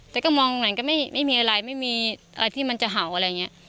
แต่ก็มองหลังก็ไม่มีอะไรไม่มีอะไรที่มันจะเห่าอะไรอย่างนี้